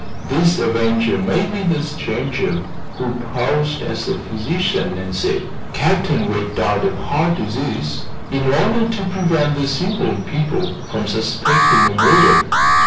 This avenger may be the stranger who posed as a physician and said Captain Wegg died of heart disease, in order to prevent the simple people from suspecting a murder.